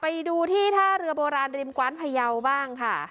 ไปดูที่ท่าเรือโบราณริมกว้านพยาวบ้างค่ะ